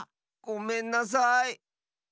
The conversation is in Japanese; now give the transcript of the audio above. ごめんなさい。